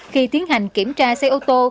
khi tiến hành kiểm tra xe ô tô